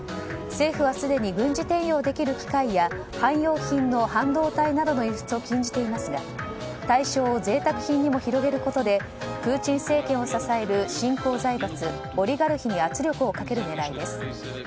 政府はすでに軍事転用できる機械や汎用品の半導体などの輸出を禁じていますが対象を贅沢品にも広げることでプーチン政権を支える新興財閥オリガルヒに圧力をかける狙いです。